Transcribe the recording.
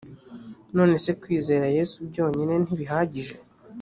nonese kwizera yesu byonyine ntibihagije